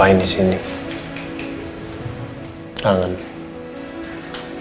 apa yang kamu lakukan disini